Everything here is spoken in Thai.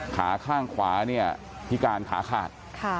ขาข้างขวาที่กาญขาขาด